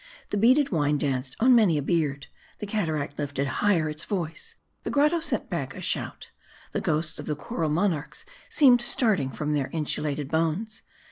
The beaded wine danced on many a beard ; the cataract lifted higher its voice ; the grotto sent back a, shout ; the ghosts of the Coral Monarchs seemed starting from their insulted bones.